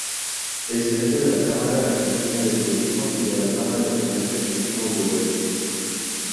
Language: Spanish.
Presidente de la Cámara Argentina de Turismo y de la Cámara de Comercio Argentino-Uruguaya.